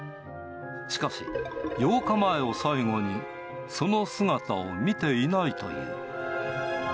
しかし、８日前を最後にその姿を見ていないという。